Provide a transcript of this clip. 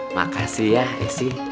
makasih ya isi